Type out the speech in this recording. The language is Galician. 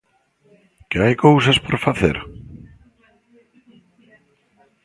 ¿Que hai cousas por facer?